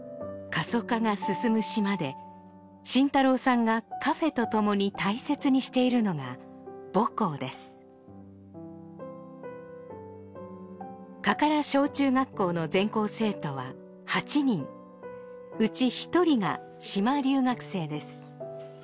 過疎化が進む島で真太郎さんがカフェとともに大切にしているのが母校です加唐小中学校の全校生徒は８人うち１人が島留学生です